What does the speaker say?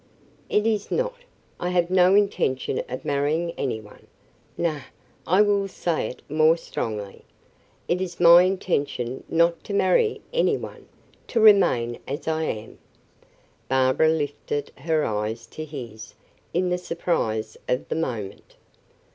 "It is not. I have no intention of marrying any one. Nay, I will say it more strongly; it is my intention not to marry any one to remain as I am." Barbara lifted her eyes to his in the surprise of the moment.